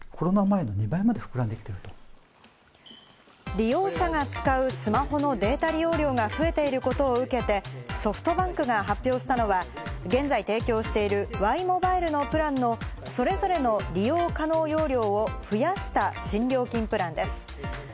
利用者が使うスマホのデータ利用量が増えていることを受けて、ソフトバンクが発表したのは、現在提供しているワイモバイルのプランのそれぞれの利用可能容量を増やした新料金プランです。